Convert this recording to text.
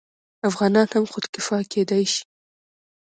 افغانان هم خودکفا کیدی شي.